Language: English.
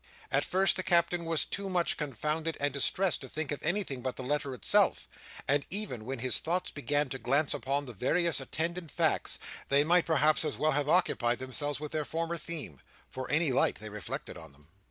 At first the Captain was too much confounded and distressed to think of anything but the letter itself; and even when his thoughts began to glance upon the various attendant facts, they might, perhaps, as well have occupied themselves with their former theme, for any light they reflected on them.